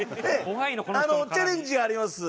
チャレンジがあります。